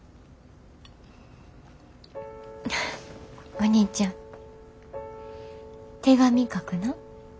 お兄ちゃん手紙書くな。